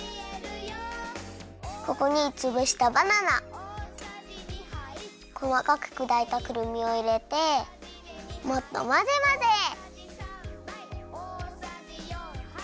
ここにつぶしたバナナこまかくくだいたくるみをいれてもっとまぜまぜ。